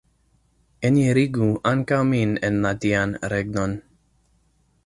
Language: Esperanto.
Enirigu ankaŭ min en la Dian regnon!